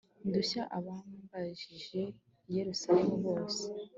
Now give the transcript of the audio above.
ndusha abambanjirije i yerusalemu bose